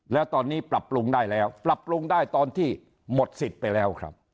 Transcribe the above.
แล้วตอนนี้ปรับปรุงได้แล้วปรับปรุงได้ตอนที่หมดสิทธิ์ไปแล้วครับ